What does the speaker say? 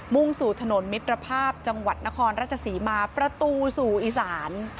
่งสู่ถนนมิตรภาพจังหวัดนครราชศรีมาประตูสู่อีสาน